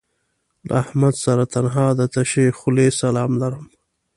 له احمد سره تنها د تشې خولې سلام لرم